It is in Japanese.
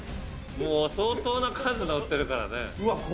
もう相当な数載ってるからね。